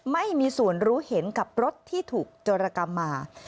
ไม่มีส่วนรู้เห็นกับรถที่ถูกโจรกรรมมา